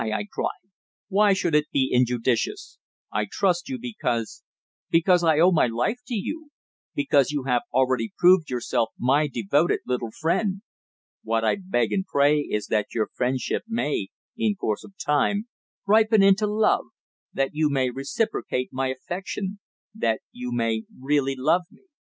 I cried. "Why should it be injudicious? I trust you, because because I owe my life to you because you have already proved yourself my devoted little friend. What I beg and pray is that your friendship may, in course of time, ripen into love that you may reciprocate my affection that you may really love me!"